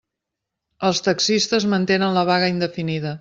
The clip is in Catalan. Els taxistes mantenen la vaga indefinida.